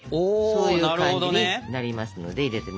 そういう感じになりますので入れてみます。